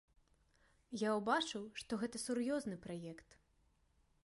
Я ўбачыў, што гэта сур'ёзны праект.